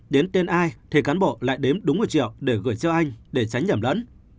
đến tên ai thì cán bộ lại đếm đúng ở triệu để gửi cho anh để tránh nhầm lẫn